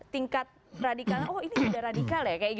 tingkat radikal oh ini juga radikal ya